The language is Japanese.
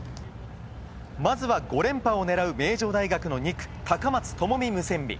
まずは５連覇を狙う名城大学の２区、高松智美ムセンビ。